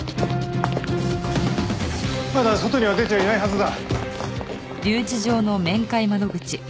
まだ外には出ていないはずだ。